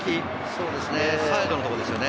そうですね、サイドのところですよね。